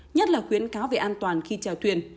nhất là khuyến cáo về an toàn khi trèo thuyền